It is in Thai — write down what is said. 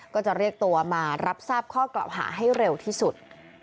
ก็จะเรียกตัวมารับทราบข้อกล่าวหาให้เร็วที่สุด